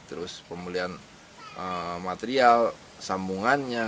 terus pemulihan material sambungannya